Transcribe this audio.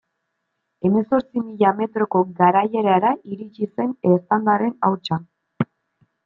Hemezortzi mila metroko garaierara iritsi zen eztandaren hautsa.